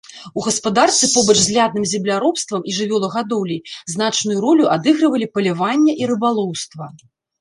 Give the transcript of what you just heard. У гаспадарцы побач з лядным земляробствам і жывёлагадоўляй значную ролю адыгрывалі паляванне і рыбалоўства.